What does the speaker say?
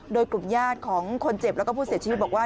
โดยกลุ่มญาติของคนเจ็บแล้วก็ผู้เสียชีวิตบอกว่า